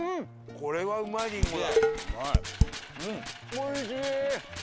これはうまいりんごだ。